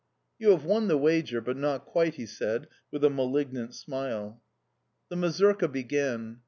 "You have won the wager, but not quite," he said, with a malignant smile. The mazurka began.